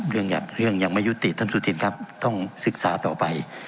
เรื่องอย่างเรื่องอย่างไม่ยุติท่านสุธินครับต้องศึกษาต่อไป